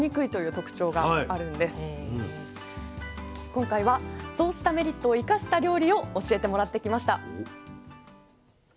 今回はそうしたメリットを生かした料理を教えてもらってきました。